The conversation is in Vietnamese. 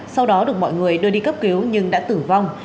sau đó được mọi người đưa đi cấp cứu nhưng đã tử vong